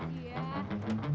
jalan ke dondong